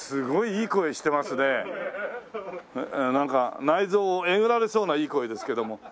なんか内臓をえぐられそうないい声ですけども。